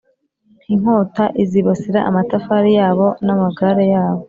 Inkota izibasira amafarashi yabo n amagare yabo